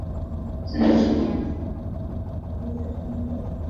Mama anenda ku uzisha lenga lenga